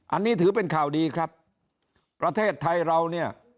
อันนี้ถือเป็นข่าวดีครับประเทศไทยเราเนี่ย